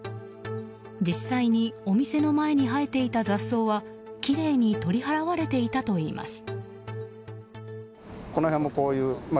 実際にお店の前に生えていた雑草はきれいに取り払われていたといいます。